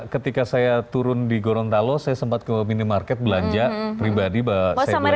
ketika saya turun di gorontalo saya sempat ke minimarket belanja pribadi bahwa saya belanja